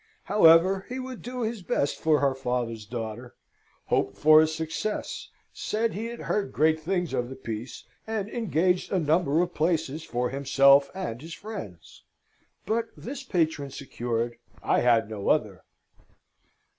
However, he would do his best for her father's daughter; hoped for a success; said he had heard great things of the piece; and engaged a number of places for himself and his friends. But this patron secured, I had no other.